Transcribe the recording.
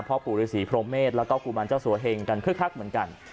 ปู่ฤษีพรหมเมษแล้วก็กุมารเจ้าสัวเฮงกันคึกคักเหมือนกัน